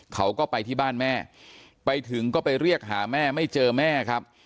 เขาก็ไปที่บ้านแม่ไปถึงก็ไปเรียกหาแม่ไม่เจอแม่ครับ